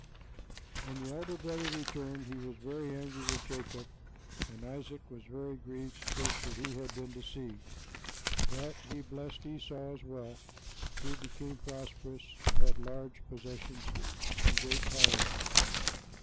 When the elder brother returned, he was very angry with Jacob, and Isaac was deeply grieved to think he had been deceived; but he blessed Esau as well, who became prosperous and had large possessions and great power.